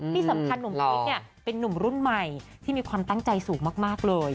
ที่สำคัญหนุ่มพีคเนี่ยเป็นนุ่มรุ่นใหม่ที่มีความตั้งใจสูงมากเลย